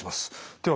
では